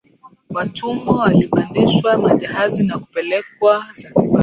Watummwa walipandishwa majahazi na kupelekwa Zanzibar